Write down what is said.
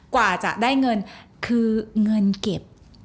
กว่าจะได้เงินคือเงินเก็บ